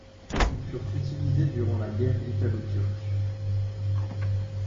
Ils furent utilisés durant la guerre italo-turque.